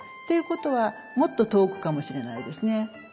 ていうことはもっと遠くかもしれないですね。